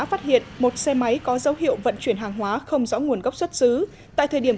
phát hiện một xe máy có dấu hiệu vận chuyển hàng hóa không rõ nguồn gốc xuất xứ tại thời điểm